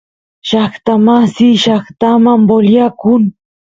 llaqtamasiy llaqtaman voliyakun